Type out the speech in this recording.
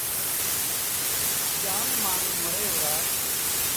جآم مآڻهوٚݩ مري وُهڙآ۔